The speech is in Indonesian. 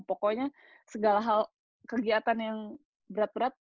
pokoknya segala hal kegiatan yang berat berat